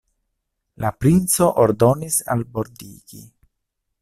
La princo ordonis albordigi.